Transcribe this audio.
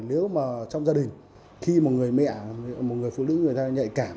nếu mà trong gia đình khi một người mẹ một người phụ nữ người ta nhạy cảm